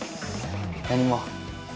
何も。